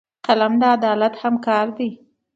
قلم د عدالت همکار دی